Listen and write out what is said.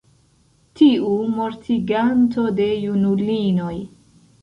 tiu mortiganto de junulinoj!